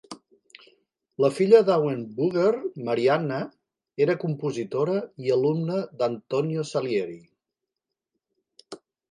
La filla d'Auenrbugger, Marianna, era compositora i alumna d'Antonio Salieri.